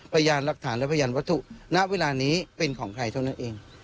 พยานหลักฐานและพยานวัตถุณเวลานี้เป็นของใครเท่านั้นเอง